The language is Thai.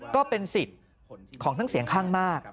ก็เป็นสิทธิ์ของทั้งเสียงข้างมาก